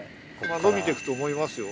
伸びてくと思いますよ。